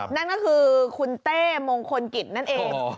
นั่นก็คือคุณเต้มงคลกิจนั่นเอง